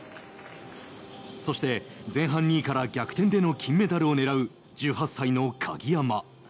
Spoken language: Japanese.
そして前半２位から逆転での金メダルをねらう１８歳の鍵山。